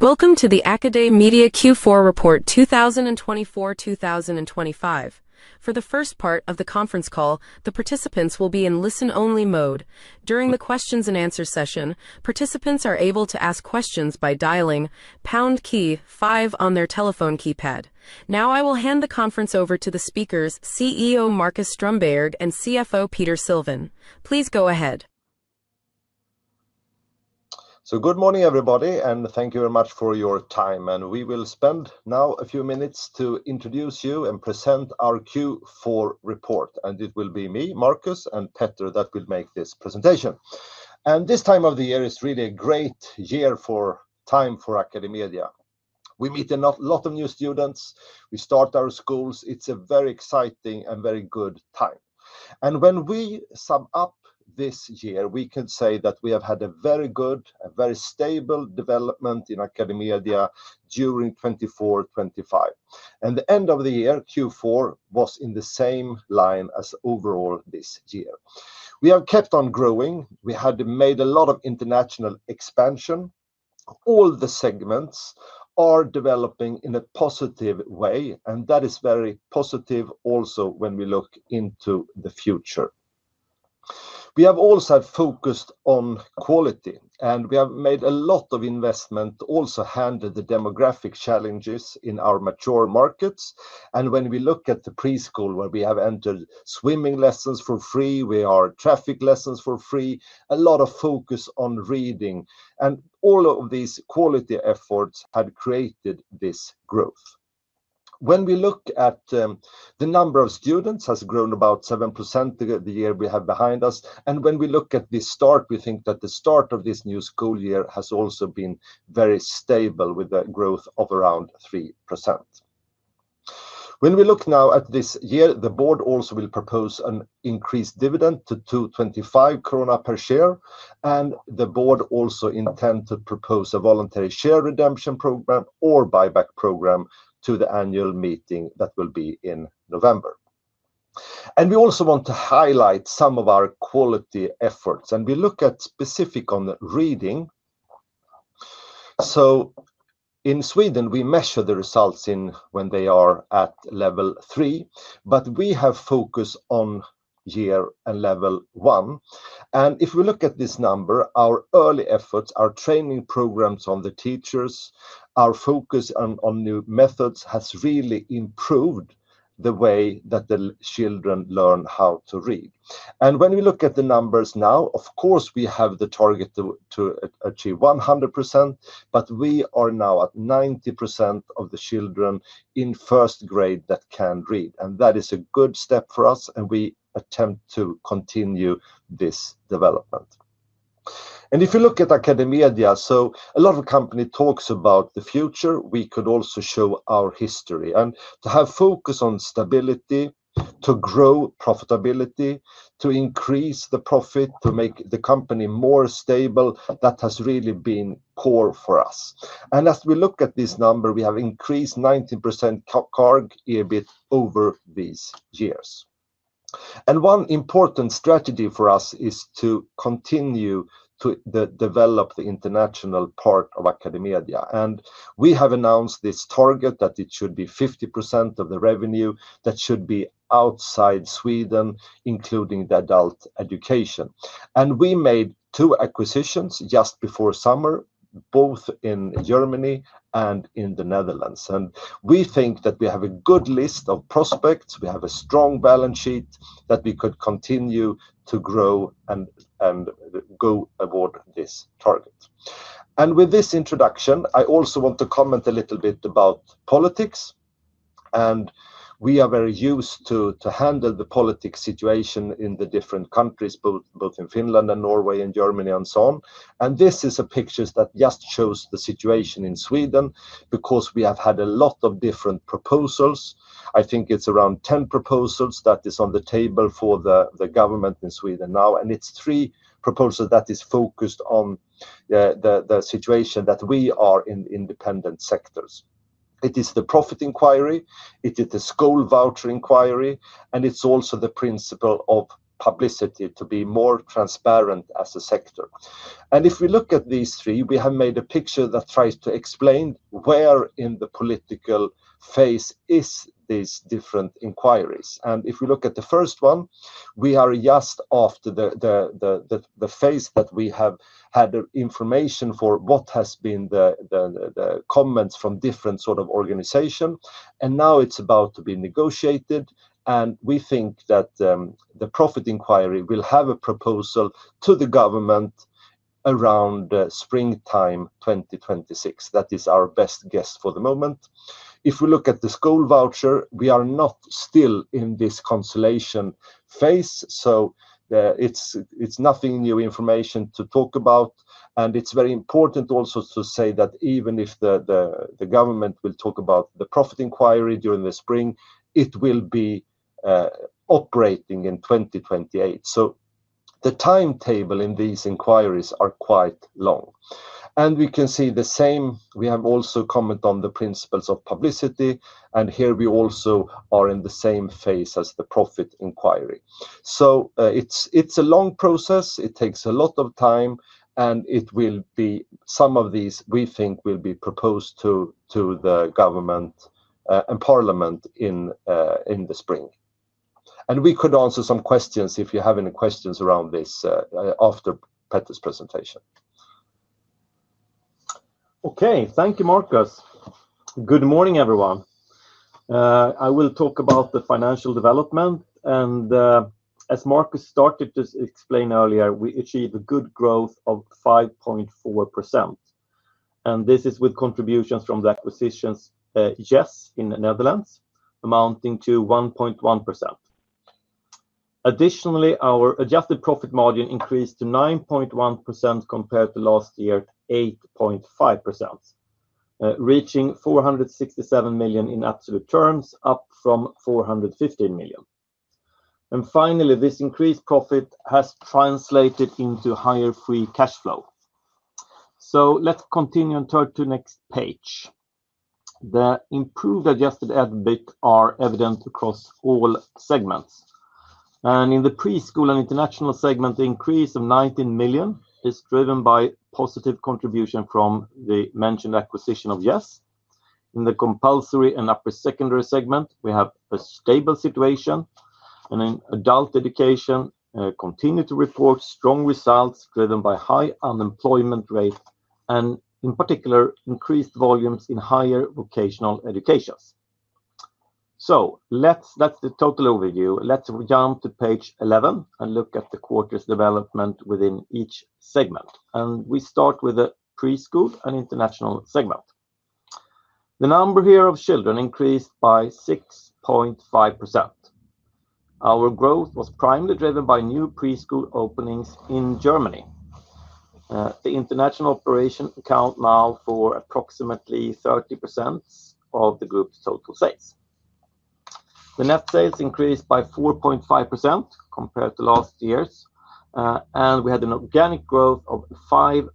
Welcome to the AcadeMedia Q4 Report 2024-2025. For the first part of the conference call, the participants will be in listen-only mode. During the questions and answers session, participants are able to ask questions by dialing #KEY-5 on their telephone keypad. Now, I will hand the conference over to the speakers, CEO Marcus Strömberg and CFO Petter Sylvan. Please go ahead. Good morning everybody, and thank you very much for your time. We will spend now a few minutes to introduce you and present our Q4 report. It will be me, Marcus, and Petter that will make this presentation. This time of the year is really a great time for AcadeMedia. We meet a lot of new students, we start our schools, it's a very exciting and very good time. When we sum up this year, we can say that we have had a very good and very stable development in AcadeMedia during 2024-2025. At the end of the year, Q4 was in the same line as overall this year. We have kept on growing, we have made a lot of international expansion. All the segments are developing in a positive way, and that is very positive also when we look into the future. We have also focused on quality, and we have made a lot of investment to also handle the demographic challenges in our mature markets. When we look at the preschool, where we have entered swimming lessons for free, we have traffic lessons for free, a lot of focus on reading, and all of these quality efforts have created this growth. When we look at the number of students, it has grown about 7% the year we have behind us. When we look at the start, we think that the start of this new school year has also been very stable with a growth of around 3%. When we look now at this year, the board also will propose an increased dividend to 2.25 krona per share. The board also intends to propose a voluntary share redemption program or buyback program to the annual meeting that will be in November. We also want to highlight some of our quality efforts, and we look at specifically on reading. In Sweden, we measure the results when they are at level three, but we have focused on year and level one. If we look at this number, our early efforts, our training programs on the teachers, our focus on new methods has really improved the way that the children learn how to read. When we look at the numbers now, of course, we have the target to achieve 100%, but we are now at 90% of the children in first grade that can read. That is a good step for us, and we attempt to continue this development. If you look at AcadeMedia, a lot of companies talk about the future. We could also show our history. To have focus on stability, to grow profitability, to increase the profit, to make the company more stable, that has really been core for us. As we look at this number, we have increased 19% CAGR EBIT over these years. One important strategy for us is to continue to develop the international part of AcadeMedia. We have announced this target that it should be 50% of the revenue that should be outside Sweden, including the adult education. We made two acquisitions just before summer, both in Germany and in the Netherlands. We think that we have a good list of prospects, we have a strong balance sheet, that we could continue to grow and go toward this target. With this introduction, I also want to comment a little bit about politics. We are very used to handle the politics situation in the different countries, both in Finland, Norway, Germany, and so on. This is a picture that just shows the situation in Sweden because we have had a lot of different proposals. I think it's around 10 proposals that are on the table for the government in Sweden now, and it's three proposals that are focused on the situation that we are in, in independent sectors. It is the profit inquiry, it is the school voucher inquiry, and it's also the principle of publicity to be more transparent as a sector. If we look at these three, we have made a picture that tries to explain where in the political phase are these different inquiries. If we look at the first one, we are just after the phase that we have had information for what has been the comments from different sorts of organizations. Now it's about to be negotiated, and we think that the profit inquiry will have a proposal to the government around springtime 2026. That is our best guess for the moment. If we look at the school voucher, we are not still in this consolation phase, so it's nothing new information to talk about. It's very important also to say that even if the government will talk about the profit inquiry during the spring, it will be operating in 2028. The timetable in these inquiries is quite long. We can see the same. We have also commented on the principles of publicity, and here we also are in the same phase as the profit inquiry. It's a long process, it takes a lot of time, and it will be, some of these we think will be proposed to the government and parliament in the spring. We could answer some questions if you have any questions around this after Petter's presentation. Okay, thank you, Marcus. Good morning, everyone. I will talk about the financial development. As Marcus started to explain earlier, we achieved a good growth of 5.4%. This is with contributions from the acquisitions Yes in the Netherlands, amounting to 1.1%. Additionally, our adjusted profit margin increased to 9.1% compared to last year's 8.5%, reaching 467 million in absolute terms, up from 415 million. Finally, this increased profit has translated into higher free cash flow. Let's continue and turn to the next page. The improved adjusted EBIT are evident across all segments. In the preschool and international segment, the increase of 19 million is driven by positive contribution from the mentioned acquisition of YES. In the compulsory and upper secondary segment, we have a stable situation. In adult education, we continue to report strong results driven by high unemployment rate and, in particular, increased volumes in higher vocational educations. That's the total overview. Let's jump to page 11 and look at the quarter's development within each segment. We start with the preschool and international segment. The number here of children increased by 6.5%. Our growth was primarily driven by new preschool openings in Germany. The international operation accounts now for approximately 30% of the group's total sales. The net sales increased by 4.5% compared to last year, and we had an organic growth of 5.18%.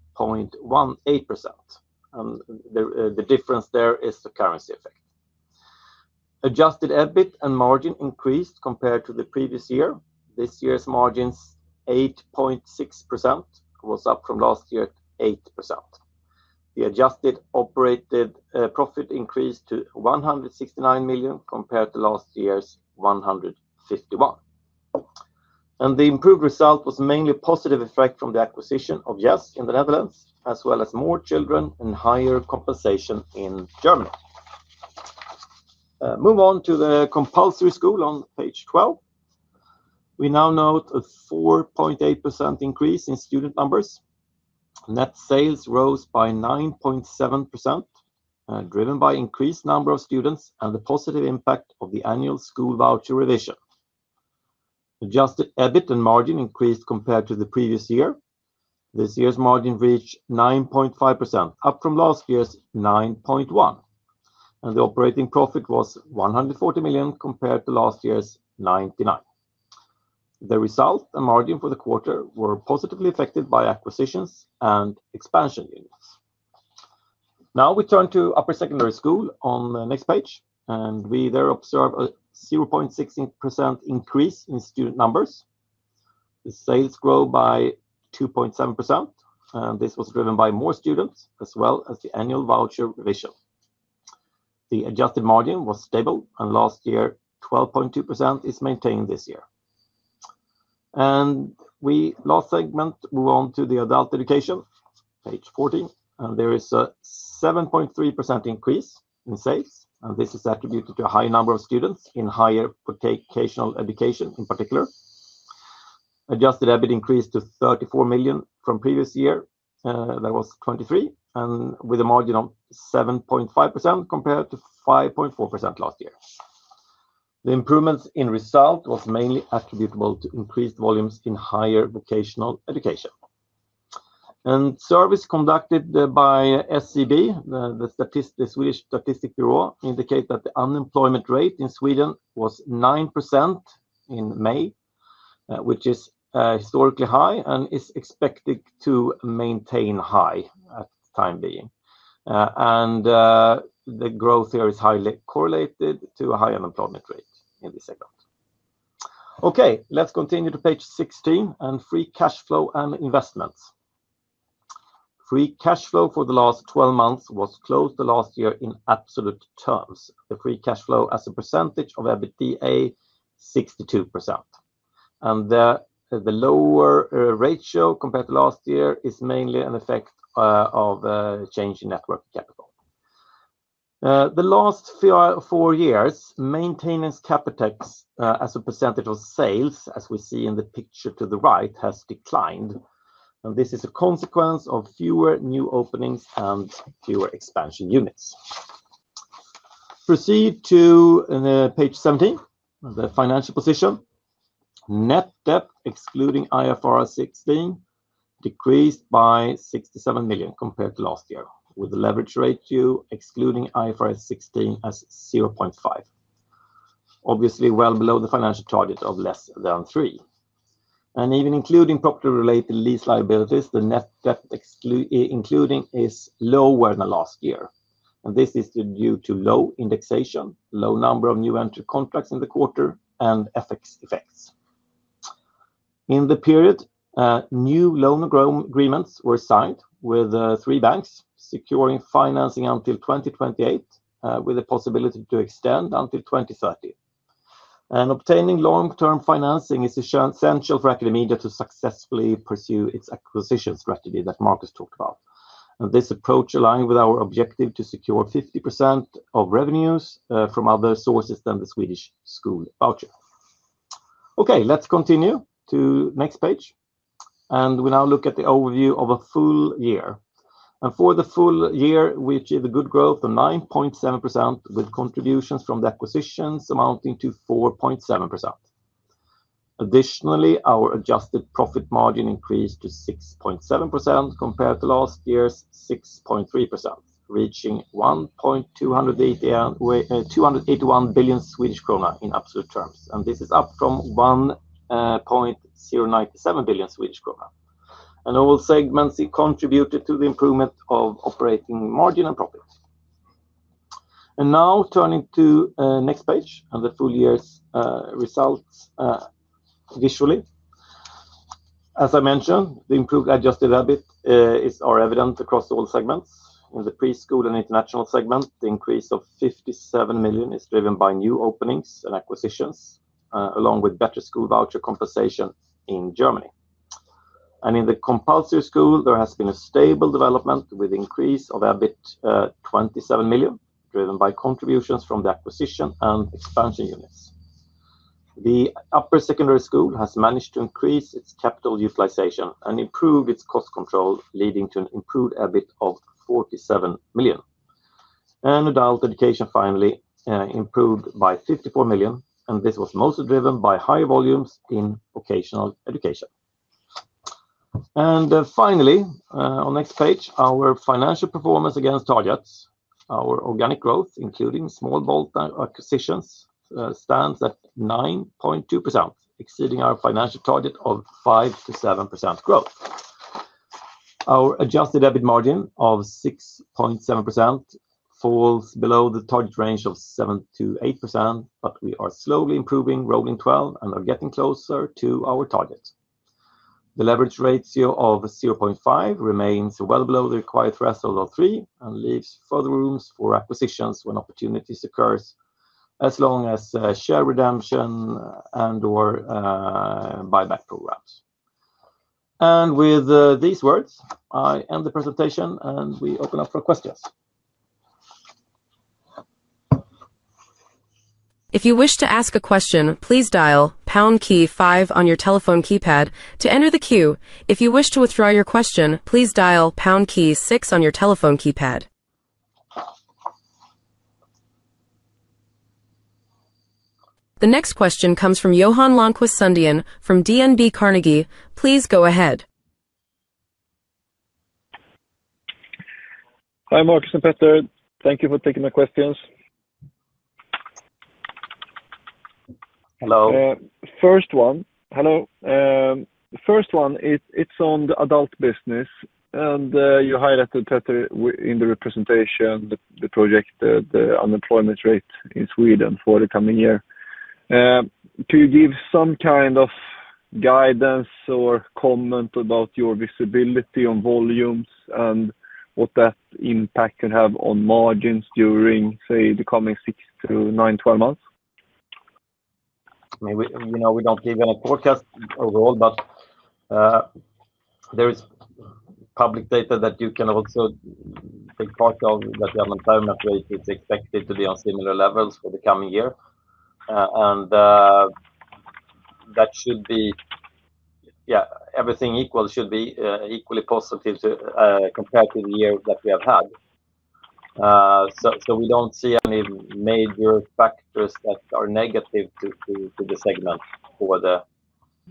The difference there is the currency effect. Adjusted EBIT and margin increased compared to the previous year. This year's margin is 8.6%, was up from last year's 8%. The adjusted operated profit increased to 169 million compared to last year's 151 million. The improved result was mainly a positive effect from the acquisition of Yes in the Netherlands, as well as more children and higher compensation in Germany. Move on to the compulsory school on page 12. We now note a 4.8% increase in student numbers. Net sales rose by 9.7%, driven by an increased number of students and the positive impact of the annual school voucher revision. Adjusted EBIT and margin increased compared to the previous year. This year's margin reached 9.5%, up from last year's 9.1%. The operating profit was 140 million compared to last year's 99 million. The result and margin for the quarter were positively affected by acquisitions and expansion units. Now we turn to upper secondary school on the next page. We there observe a 0.6% increase in student numbers. The sales grow by 2.7%, and this was driven by more students as well as the annual voucher revision. The adjusted margin was stable, and last year, 12.2% is maintained this year. Last segment, we want to the adult education, page 14. There is a 7.3% increase in sales, and this is attributed to a high number of students in higher vocational education in particular. Adjusted EBIT increased to 34 million from the previous year that was 23 million, with a margin of 7.5% compared to 5.4% last year. The improvement in result was mainly attributable to increased volumes in higher vocational education. Service conducted by SCB, the Swedish Statistics Bureau, indicates that the unemployment rate in Sweden was 9% in May, which is historically high and is expected to maintain high at the time being. The growth here is highly correlated to a high unemployment rate in this segment. Okay, let's continue to page 16 and free cash flow and investments. Free cash flow for the last 12 months was close to last year in absolute terms. The free cash flow as a percentage of EBITDA is 62%. The lower ratio compared to last year is mainly an effect of the change in net working capital. The last four years, maintenance capital as a percentage of sales, as we see in the picture to the right, has declined. This is a consequence of fewer new openings and fewer expansion units. Proceed to page 17, the financial position. Net debt excluding IFRS 16 decreased by 67 million compared to last year, with the leverage ratio excluding IFRS 16 as 0.5. Obviously, well below the financial target of less than 3. Even including property-related lease liabilities, the net debt including is lower than last year. This is due to low indexation, low number of new entry contracts in the quarter, and FX effects. In the period, new loan agreements were signed with three banks securing financing until 2028, with the possibility to extend until 2030. Obtaining long-term financing is essential for AcadeMedia AB to successfully pursue its acquisition strategy that Marcus talked about. This approach aligns with our objective to secure 50% of revenues from other sources than the Swedish school voucher. Okay, let's continue to the next page. We now look at the overview of a full year. For the full year, we achieved a good growth of 9.7% with contributions from the acquisitions amounting to 4.7%. Additionally, our adjusted profit margin increased to 6.7% compared to last year's 6.3%, reaching 1.281 billion Swedish krona in absolute terms. This is up from 1.097 billion Swedish krona. In all segments, it contributed to the improvement of operating margin and profit. Now turning to the next page and the full year's results visually. As I mentioned, the improved adjusted EBIT is evident across all segments. In the preschool and international segment, the increase of 57 million is driven by new openings and acquisitions, along with better school voucher compensation in Germany. In the compulsory school, there has been a stable development with an increase of EBIT 27 million, driven by contributions from the acquisition and expansion units. The upper secondary school has managed to increase its capital utilization and improve its cost control, leading to an improved EBIT of 47 million. Adult education finally improved by 54 million, and this was mostly driven by high volumes in vocational education. Finally, on the next page, our financial performance against targets. Our organic growth, including small ballpark acquisitions, stands at 9.2%, exceeding our financial target of 5%-7% growth. Our adjusted EBIT margin of 6.7% falls below the target range of 7%-8%, but we are slowly improving, rolling 12, and are getting closer to our target. The leverage ratio of 0.5 remains well below the required threshold of 3 and leaves further room for acquisitions when opportunities occur, as long as share redemption and/or buyback programs. With these words, I end the presentation and we open up for questions. If you wish to ask a question, please dial #KEY-5 on your telephone keypad to enter the queue. If you wish to withdraw your question, please dial #KEY-6 on your telephone keypad. The next question comes from Johan Lönnqvist Sundén from DNB Carnegie. Please go ahead. Hi, Marcus and Petter. Thank you for taking the questions. Hello. Hello. First one, it's on the adult business. You highlighted, Petter, in the presentation the projected unemployment rate in Sweden for the coming year. Can you give some kind of guidance or comment about your visibility on volumes and what that impact can have on margins during, say, the coming 6, 9, 12 months? We don't give any forecast overall, but there is public data that you can also take part of that the unemployment rate is expected to be on similar levels for the coming year. That should be, yeah, everything equal should be equally positive compared to the year that we have had. We don't see any major factors that are negative to the segment for the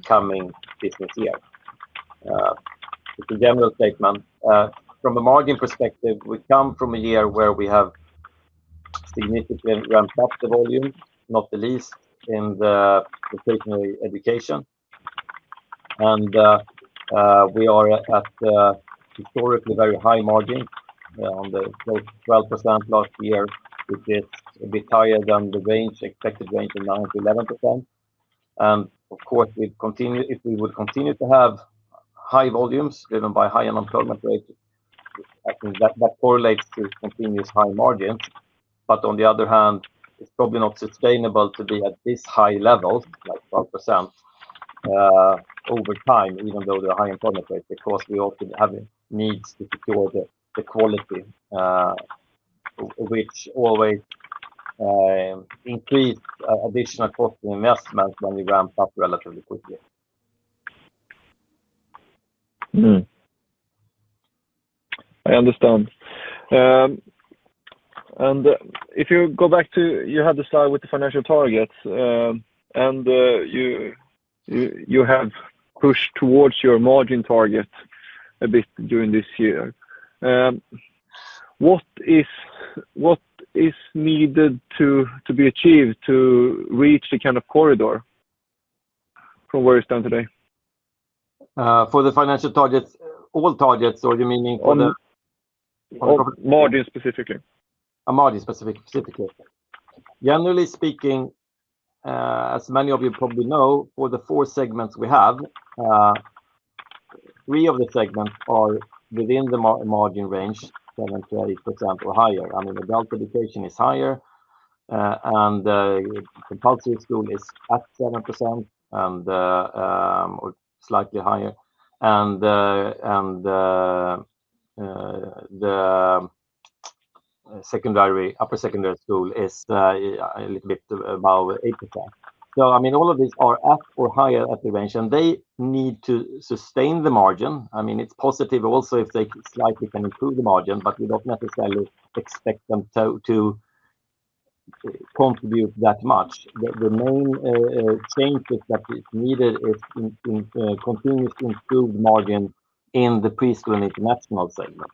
coming business year. It's a general statement. From the margin perspective, we come from a year where we have significantly ramped up the volume, not the least, in the vocational education. We are at a historically very high margin on the close to 12% last year. It's a bit higher than the expected range of 9%-11%. Of course, if we would continue to have high volumes driven by high unemployment rate, I think that correlates to continuous high margins. On the other hand, it's probably not sustainable to be at this high level, like 12%, over time, even though there are high unemployment rates because we often have needs to secure the quality, which always increases additional cost of investment when we ramp up relatively quickly. I understand. If you go back to you had to start with the financial targets and you have pushed towards your margin target a bit during this year, what is needed to be achieved to reach the kind of corridor from where you stand today? For the financial targets, all targets, or you meaning? Margin specifically. Margin specifically. Generally speaking, as many of you probably know, for the four segments we have, three of the segments are within the margin range, 7%-8% or higher. I mean, adult education is higher and compulsory school is at 7% or slightly higher. The upper secondary school is a little bit above 8%. All of these are at or higher at the range, and they need to sustain the margin. It's positive also if they slightly can improve the margin, but we don't necessarily expect them to contribute that much. The main change that is needed is continuous improved margin in the preschool and international segment.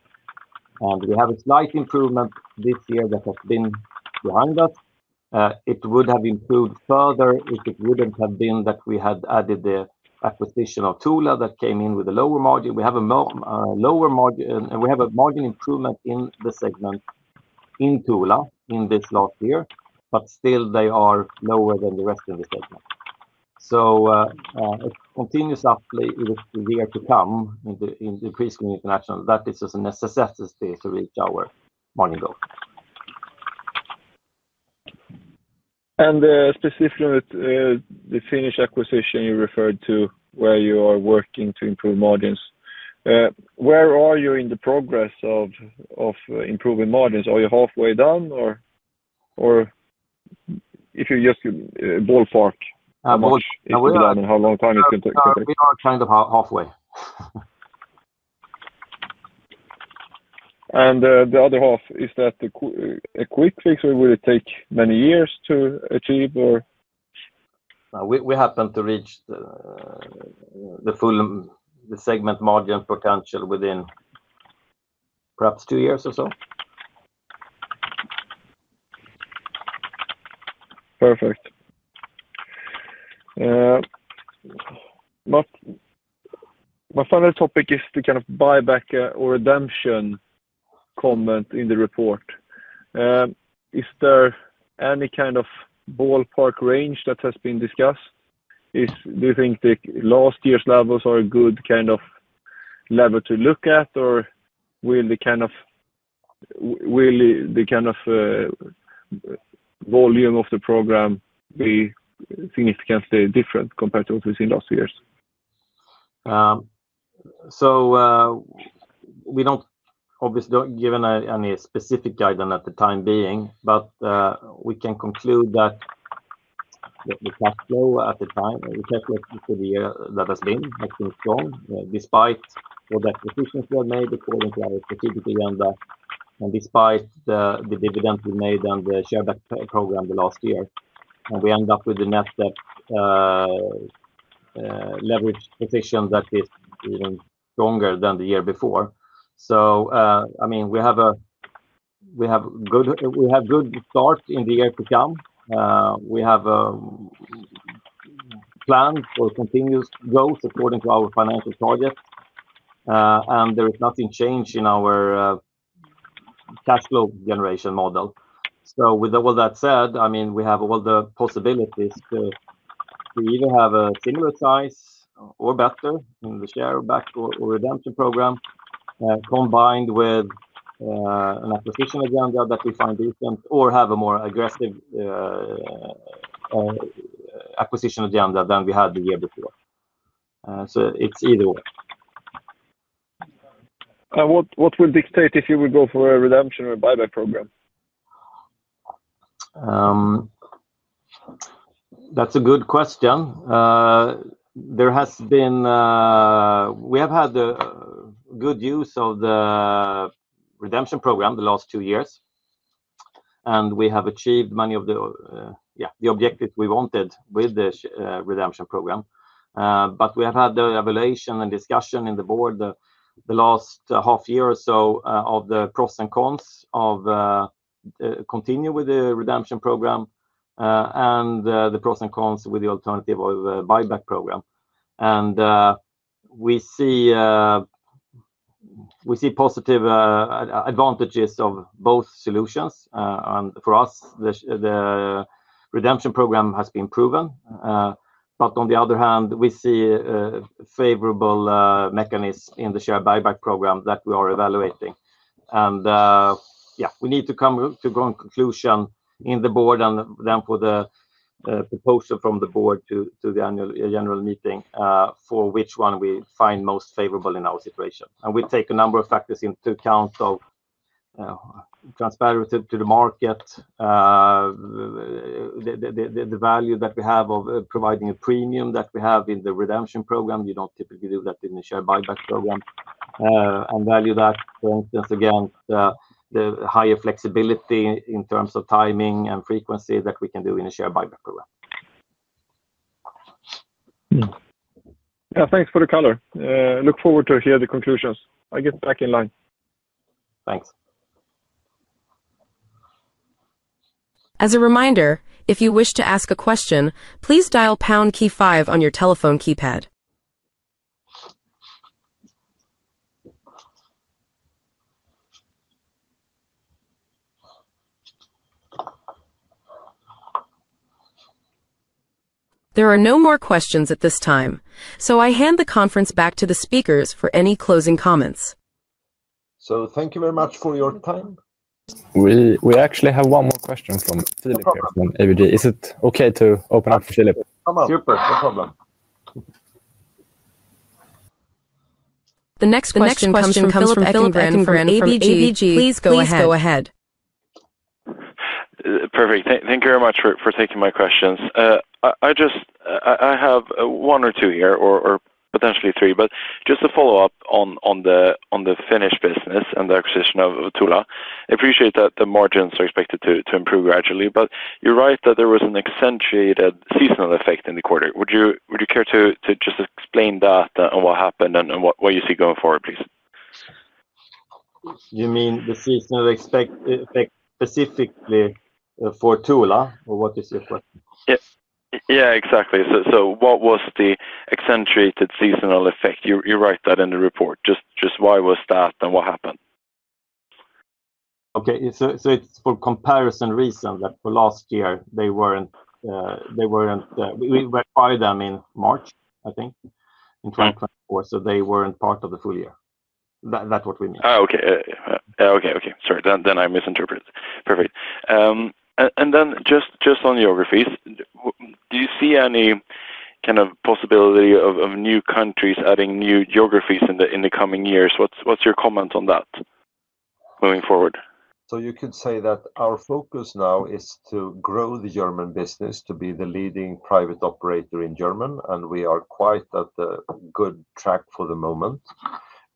We have a slight improvement this year that has been behind us. It would have improved further if it wouldn't have been that we had added the acquisition of Touhula that came in with a lower margin. We have a lower margin and we have a margin improvement in the segment in Touhula in this last year, but still they are lower than the rest of the segment. Continuous uplift in the year to come in the preschool and international, that is a necessity to reach our margin goal. Specifically with the Finnish acquisition you referred to where you are working to improve margins, where are you in the progress of improving margins? Are you halfway done or if you just ballpark, how much is it done and how long time is it going to take? We are kind of halfway. The other half is that a quick fix or would take many years to achieve. We happen to reach the full segment margin potential within perhaps two years or so. Perfect. My final topic is the kind of buyback or redemption comment in the report. Is there any kind of ballpark range that has been discussed? Do you think the last year's levels are a good kind of level to look at, or will the kind of volume of the program be significantly different compared to what we've seen in the last few years? We obviously don't give any specific guideline at the time being, but we can conclude that the cash flow at the time, we calculate it to the year that has been, I think, strong despite what that decision was made according to our strategic agenda and despite the dividend we made and the share buyback program the last year. We end up with the net leverage position that is even stronger than the year before. I mean, we have a good start in the year to come. We have a plan for continuous growth according to our financial targets, and there is nothing changed in our cash flow generation model. With all that said, I mean, we have all the possibilities to either have a similar size or better in the share buyback or voluntary share redemption program combined with an acquisition agenda that we find decent or have a more aggressive acquisition agenda than we had the year before. It's either way. What will dictate if you would go for a redemption or a buyback program? That's a good question. We have had good use of the redemption program the last two years, and we have achieved many of the objectives we wanted with the redemption program. We have had the evaluation and discussion in the board the last half year or so of the pros and cons of continuing with the redemption program and the pros and cons with the alternative of a buyback program. We see positive advantages of both solutions. For us, the redemption program has been proven. On the other hand, we see a favorable mechanism in the share buyback program that we are evaluating. We need to come to a conclusion in the board and then put a proposal from the board to the annual general meeting for which one we find most favorable in our situation. We take a number of factors into account, transparency to the market, the value that we have of providing a premium that we have in the redemption program. We don't typically do that in the share buyback program. We value that against the higher flexibility in terms of timing and frequency that we can do in a share buyback program. Thanks for the color. I look forward to hear the conclusions. I'll get back in line. Thanks. As a reminder, if you wish to ask a question, please dial #KEY-5 on your telephone keypad. There are no more questions at this time, so I hand the conference back to the speakers for any closing comments. Thank you very much for your time. We actually have one more question from Philip here from ABG. Is it okay to open up to Philip? No problem. The next question comes from Philip Söderqvist from ABG. Please go ahead. Perfect. Thank you very much for taking my questions. I just have one or two here or potentially three, just to follow up on the Finnish business and the acquisition of Touhula. I appreciate that the margins are expected to improve gradually, but you're right that there was an accentuated seasonal effect in the quarter. Would you care to just explain that and what happened and what you see going forward, please? You mean the seasonal effect specifically for Touhula or what is it? Yeah, exactly. What was the accentuated seasonal effect? You write that in the report. Just why was that, and what happened? Okay, so it's for comparison reasons that for last year they weren't. We acquired them in March, I think, in 2024, so they weren't part of the full year. That's what we mean. Sorry, then I misinterpreted. Perfect. Just on geographies, do you see any kind of possibility of new countries adding new geographies in the coming years? What's your comments on that moving forward? You could say that our focus now is to grow the German business to be the leading private operator in Germany, and we are quite at a good track for the moment.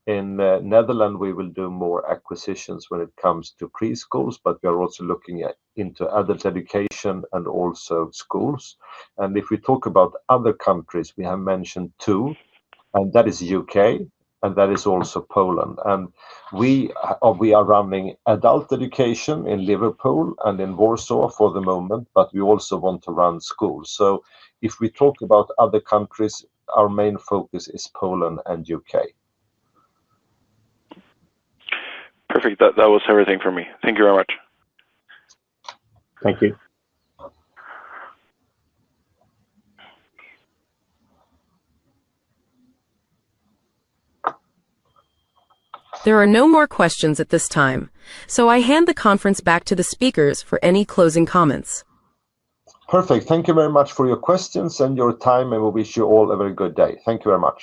In the Netherlands, we will do more acquisitions when it comes to preschools, but we are also looking into adult education and also schools. If we talk about other countries, we have mentioned two, and that is the UK and that is also Poland. We are running adult education in Liverpool and in Warsaw for the moment, but we also want to run schools. If we talk about other countries, our main focus is Poland and the UK. Perfect. That was everything for me. Thank you very much. Thank you. There are no more questions at this time, so I hand the conference back to the speakers for any closing comments. Perfect. Thank you very much for your questions and your time, and we wish you all a very good day. Thank you very much.